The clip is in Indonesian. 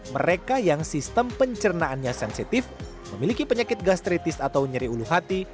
mereka yang sistem pencernaannya sensitif memiliki penyakit gastritis atau nyeri ulu hati